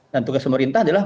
dan tugas pemerintah adalah